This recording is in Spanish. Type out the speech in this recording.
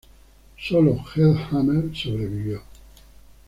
Sólo Hellhammer "sobrevivió".